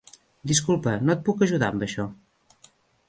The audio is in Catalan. Disculpa, no et puc ajudar amb això.